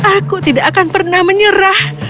aku tidak akan pernah menyerah